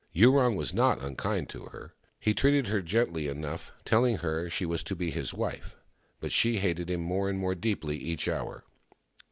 Yurong was not unkind to her. He treated her gently enough, telling her she was to be his wife, but she hated him more and more deeply each hour.